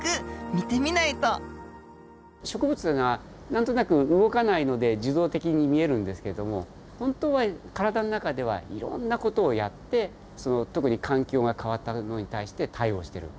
植物というのは何となく動かないので受動的に見えるんですけども本当は体の中ではいろんな事をやって特に環境が変わったのに対して対応してる。